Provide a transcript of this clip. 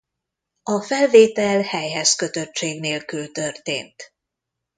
A felvétel helyhez kötöttség nélkül történt.